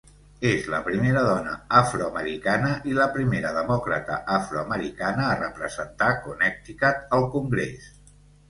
És la primera dona afroamericana i la primera demòcrata afroamericana a representar Connecticut al Congrés.